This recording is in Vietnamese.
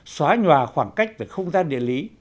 xóa nhòa khoảng cách về không gian địa lý